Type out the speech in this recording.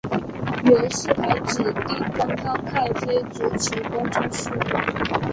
袁世凯指定端康太妃主持宫中事务。